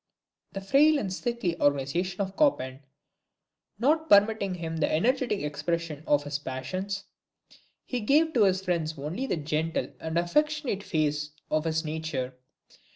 The frail and sickly organization of Chopin, not permitting him the energetic expression of his passions, he gave to his friends only the gentle and affectionate phase of his nature.